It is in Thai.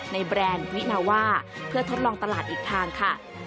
แบรนด์วินาว่าเพื่อทดลองตลาดอีกทางค่ะ